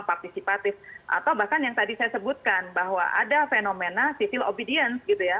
partisipatif atau bahkan yang tadi saya sebutkan bahwa ada fenomena civil obedience gitu ya